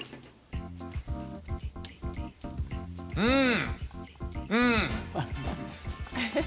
うん、うん。